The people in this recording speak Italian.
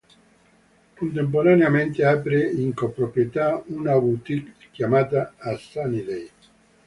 Contemporaneamente apre in co-proprietà una boutique chiamata "A Sunny Day".